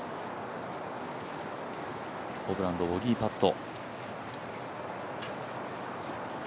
ホブランド、ボギーパット。